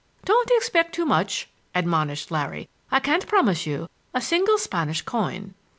"Don't expect too much," admonished Larry; "I can't promise you a single Spanish coin."